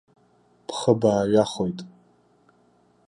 Бхы бааҩахоит.